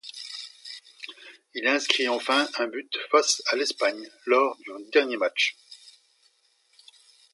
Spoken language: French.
Il inscrit enfin un but face à l'Espagne lors du dernier match.